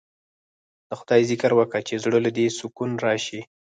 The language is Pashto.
د خداى ذکر وکه چې زړه له دې سکون رايشي.